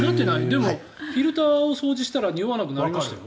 でも、フィルターを掃除したらにおわなくなりましたよ。